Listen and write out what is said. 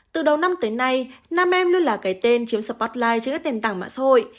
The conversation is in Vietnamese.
từ đầu năm tới nay nam em luôn là cái tên chiếm spotlight trên các tên tảng mạng xã hội